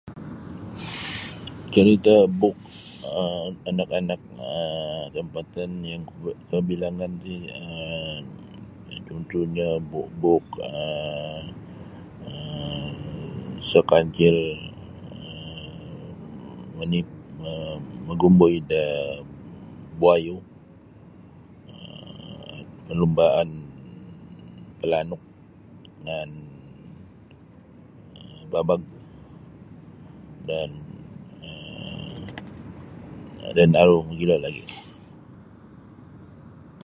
um Carita' buuk anak-anak um tampatan yang kabilangan ti um cuntuhnyo buuk-buuk um sang kancil um manipu magumbui da buayu um palumbaan palanuk dengan um babag dan um dan aru mogilo lagi'.